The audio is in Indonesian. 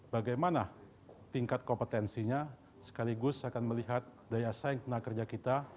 bagaimana tingkat kompetensinya sekaligus akan melihat daya saing tenaga kerja kita